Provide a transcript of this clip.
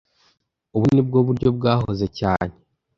Ubu ni bwo buryo bwahoze cyane